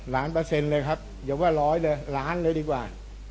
เปอร์เซ็นต์เลยครับอย่าว่าร้อยเลยล้านเลยดีกว่า